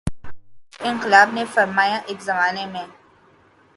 رہبرانقلاب نے فرمایا ایک زمانے میں